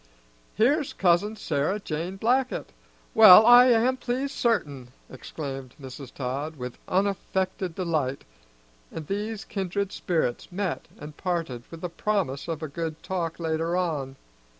"Here's Cousin Sarah Jane Blackett! Well, I am pleased, certain!" exclaimed Mrs. Todd, with unaffected delight; and these kindred spirits met and parted with the promise of a good talk later on.